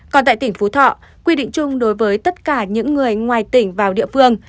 còn tại tỉnh phú thọ quy định chung đối với tất cả những người ngoài tỉnh vào địa phương